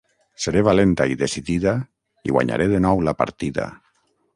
Seré valenta i decidida i guanyaré de nou la partida.